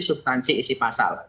substansi isi pasal